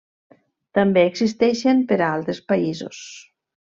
També existeixen per a altres països.